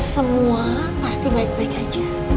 semua pasti baik baik aja